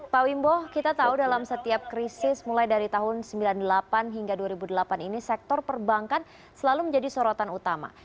pak wimbo kita tahu dalam setiap krisis mulai dari tahun seribu sembilan ratus sembilan puluh delapan hingga dua ribu delapan ini sektor perbankan selalu menjadi sorotan utama